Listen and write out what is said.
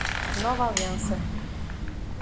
Nova Aliança